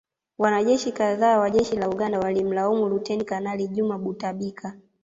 Wanajeshi kadhaa wa Jeshi la Uganda walimlaumu Luteni Kanali Juma Butabika